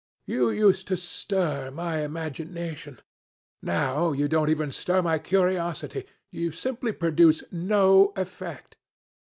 You used to stir my imagination. Now you don't even stir my curiosity. You simply produce no effect.